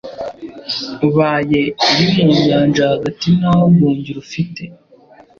Ubaye uri mu Nyanja hagati ntaho guhungira ufite